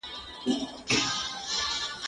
زه مخکي کتابتون ته راتلی و!؟